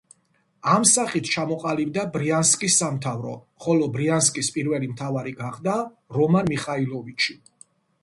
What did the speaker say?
ამ სახით ჩამოყალიბდა ბრიანსკის სამთავრო, ხოლო ბრიანსკის პირველი მთავარი გახდა რომან მიხაილოვიჩი.